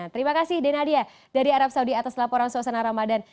terima kasih denadia dari arab saudi atas laporan suasana ramadan